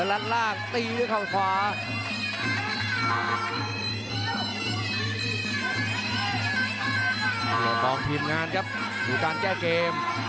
ให้จะหมดแพงด้วยซ้ายของท่านชมพ์เพชรครับ